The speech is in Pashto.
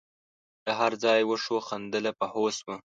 د هر ځای وښو خندله په هوس وه